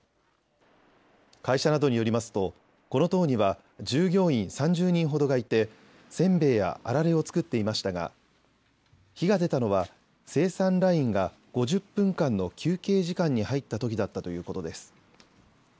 会社などによりますとこの棟には従業員３０人ほどがいてせんべいやあられを作っていましたが火が出たのは生産ラインが５０分間の休憩時間に入ったときだったということです。